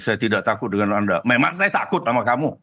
saya tidak takut dengan anda memang saya takut sama kamu